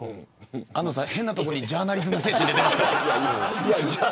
安藤さん、変なとこでジャーナリズム精神出てます。